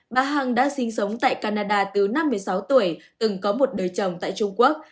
bà hằng đang sinh sống tại canada từ năm mươi sáu tuổi từng có một đời chồng tại trung quốc